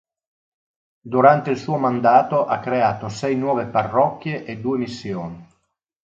Durante il suo mandato ha creato sei nuove parrocchie e due missioni.